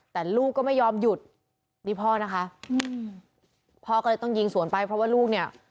แต่ลูกก็ไม่ยอมหยุดนี่พ่อนะคะพ่อก็เลยต้องยิงสวนไปเพราะว่าลูกเนี่ย